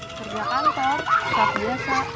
kerja kantor saat biasa